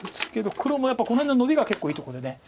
黒もやっぱりこの辺のノビが結構いいとこで。